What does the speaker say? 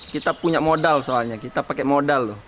kita punya modal soalnya kita pakai modal loh